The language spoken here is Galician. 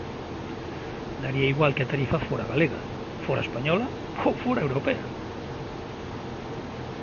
Daría igual que a tarifa fora galega, fora española ou fora europea.